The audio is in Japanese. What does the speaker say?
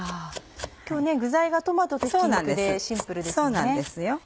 今日具材がトマトとひき肉でシンプルですもんね。